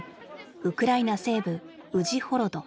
ウクライナ西部ウジホロド。